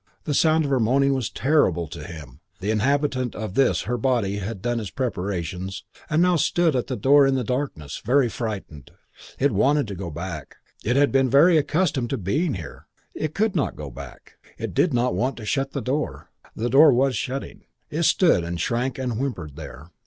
The sound of her moaning was terrible to him. That inhabitant of this her body had done its preparations and now stood at the door in the darkness, very frightened. It wanted to go back. It had been very accustomed to being here. It could not go back. It did not want to shut the door. The door was shutting. It stood and shrank and whimpered there.